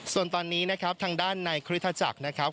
ส่วนตอนนี้นะครับทางด้านในคริสตจักรนะครับ